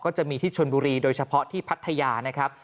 จะมีที่ชนบุรีโดยเฉพาะที่พัทยานะครับ